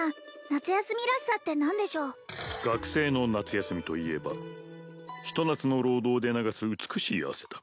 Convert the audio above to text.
夏休みらしさって何でしょう学生の夏休みといえばひと夏の労働で流す美しい汗だ